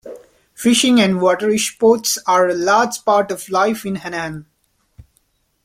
Fishing and water sports are a large part of life in Hanahan.